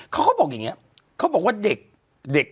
เขาก็บอกอย่างนี้เขาบอกว่าเด็ก